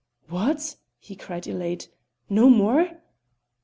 "What!" he cried elate; "no more?"